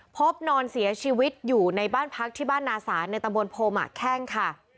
พบนอนเสียชีวิตอยู่ในบ้านพักที่บ้านนาศาลในตำบลโพหมาแข้งค่ะ